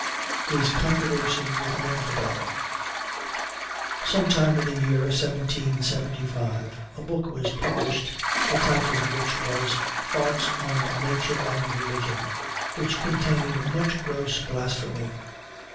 HIS CONTROVERSY WITH AN INFIDEL. Some time in the year 1775, a book was published, the title of which was "Thoughts on Nature and Religion," which contained much gross blasphemy.